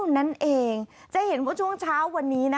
ค่ะคือเมื่อวานี้ค่ะ